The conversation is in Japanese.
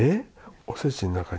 おせちの中に？